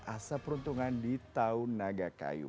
asap peruntungan di tahu naga kayu